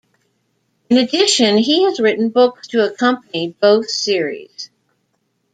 In addition, he has written books to accompany both series.